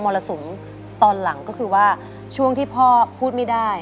มอระสุมตอนหลังช่วงที่พ่อพูดไม่ได้